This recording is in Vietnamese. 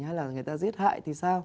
hay là người ta giết hại thì sao